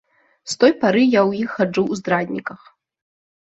З той пары я ў іх хаджу ў здрадніках.